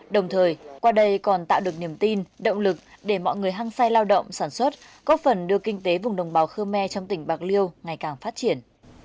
đồng thời qua đây còn tạo được niềm tin động lực để mọi người hăng say lao động sản xuất góp phần đưa kinh tế vùng đồng bào khơ me trong tỉnh bạc liêu ngày càng phát triển